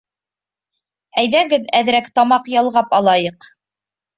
Әйҙәгеҙ, әҙерәк тамаҡ ялғап алайыҡ